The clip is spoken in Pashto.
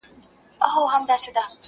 چي زه ویښ وم که ویده وم!.